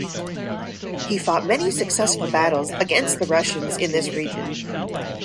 He fought many successful battles against the Russians in this region.